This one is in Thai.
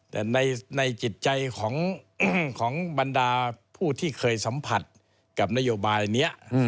แต่ในจิตใจของบรรดาผู้ที่เคยสัมผัสกับนโยบายอันนี้